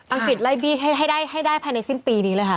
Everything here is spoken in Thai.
กฤษไล่บี้ให้ได้ภายในสิ้นปีนี้เลยค่ะ